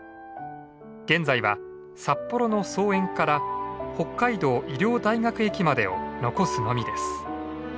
現在は札幌の桑園から北海道医療大学駅までを残すのみです。